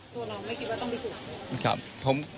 ตัวเราไม่คิดว่าต้องพิสูจน์